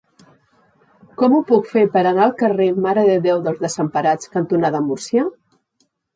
Com ho puc fer per anar al carrer Mare de Déu dels Desemparats cantonada Múrcia?